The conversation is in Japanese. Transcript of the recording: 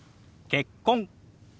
「結婚」。